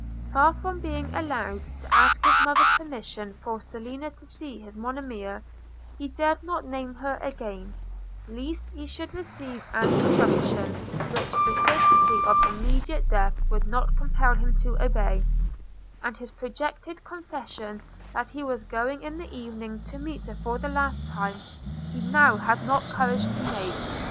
Far from being allowed to ask his mother's permission for Selina to see his Monimia, he dared not name her again, lest he should receive an injunction which the certainty of immediate death would not compel him to obey; and his projected confession that he was going in the evening to meet her for the last time, he now had not courage to make.